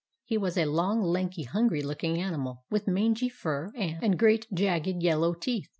He was a long, lank, hun gry looking animal, with mangy fur, and great jagged yellow teeth.